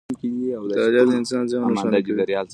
• مطالعه د انسان ذهن روښانه کوي.